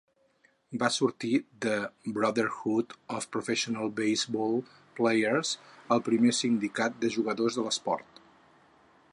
Va sortir de Brotherhood of Professional Base-Ball Players, el primer sindicat de jugadors de l'esport.